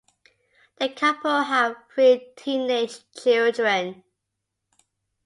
The couple have three teenage children.